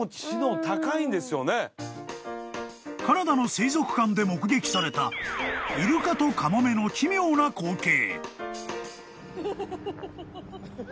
［カナダの水族館で目撃されたイルカとカモメの奇妙な光景］